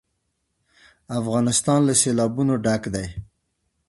افغانستان له سیلابونه ډک دی.